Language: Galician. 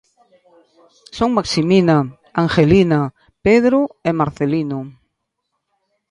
Son Maximina, Angelina, Pedro e Marcelino.